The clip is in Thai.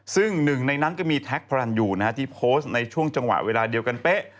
ซึ่งหนึ่งในนั้นก็มีแท็กพระรันยูที่โพสต์ในช่วงจังหวะเวลาเดียวกันเป๊ะ